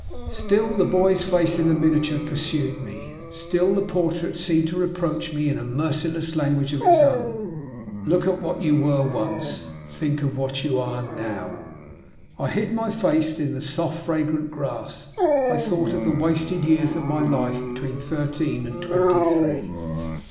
Still the boy's face in the miniature pursued me. Still the portrait seemed to reproach me in a merciless language of its own: "Look at what you were once; think of what you are now!" I hid my face in the soft, fragrant grass. I thought of the wasted years of my life between thirteen and twenty three.